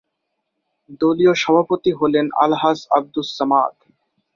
দলীয় সভাপতি হলেন আলহাজ্ব আবদুস সামাদ।